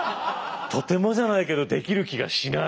とてもじゃないけどできる気がしない！